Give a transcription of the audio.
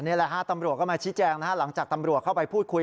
นี่แหละครับตำรวจเข้ามาชิดแจ้งหลังจากตำรวจเข้าไปพูดคุย